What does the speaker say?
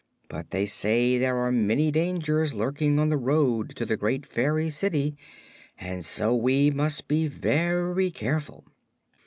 But they say there are many dangers lurking on the road to the great Fairy City, and so we must be very careful."